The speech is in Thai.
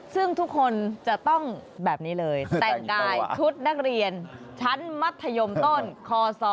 ซึ่งทุกคนจะต้องแบบนี้เลยแต่งกายชุดนักเรียนชั้นมัธยมต้นคศ